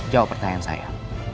jawab pertanyaan saya